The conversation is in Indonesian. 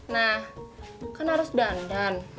nah kan harus dandan